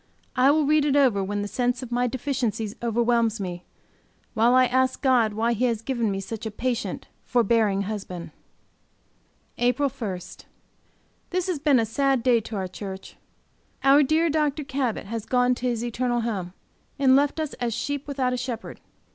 I will read it over when the sense of my deficiencies overwhelms me, while I ask God why He has given me such a patient, forbearing husband. APRIL 1. This has been a sad day to our church. Our dear Dr. Cabot has gone to his eternal home, and left us as sheep without a shepherd.